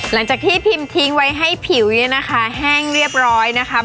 หลังจากที่พิมพ์ทิ้งไว้ให้ผิวเนี่ยนะคะแห้งเรียบร้อยนะคะ